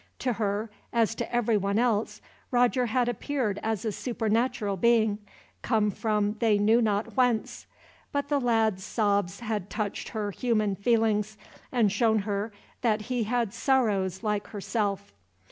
To her, as to everyone else, Roger had appeared as a supernatural being, come from they knew not whence; but the lad's sobs had touched her human feelings, and shown her that he had sorrows, like herself.